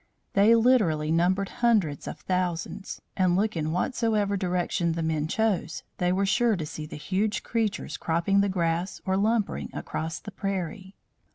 They literally numbered hundreds of thousands, and, look in whatsoever direction the men chose, they were sure to see the huge creatures cropping the grass or lumbering across the prairie.